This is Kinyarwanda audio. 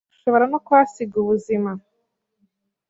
ushobora no kuhasiga ubuzima,